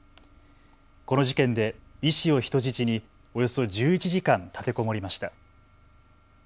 この事件で医師を人質におよそ１１時間立てこもりました。